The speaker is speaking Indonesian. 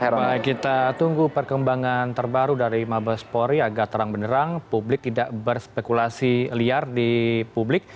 baik baik kita tunggu perkembangan terbaru dari mabespori agak terang benerang publik tidak berspekulasi liar di publik